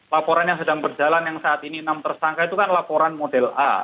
laporan yang sedang berjalan yang saat ini enam tersangka itu kan laporan model a